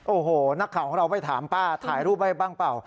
โอ้โหนักข่าวของเราไปถามป้าถ่ายรูปไว้บ้างเปล่า